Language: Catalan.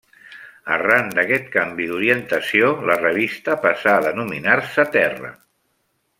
Arran d'aquest canvi d’orientació, la revista passà a denominar-se Terra.